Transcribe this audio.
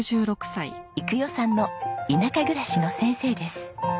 育代さんの田舎暮らしの先生です。